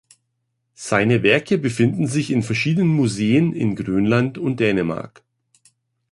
Seine Werke befinden sich in verschiedenen Museen in Grönland und Dänemark.